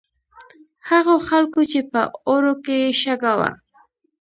هغو خلکو چې په اوړو کې یې شګه وه.